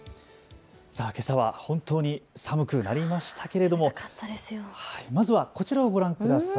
けさは本当に寒くなりましたけれども、まずはこちらをご覧ください。